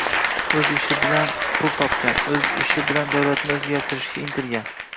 oʻz mehnati bilan pul topgan, oʻz ishi bilan davlatni oʻzgartirishga intilgan.